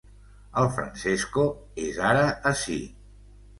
El Francesco és ara ací.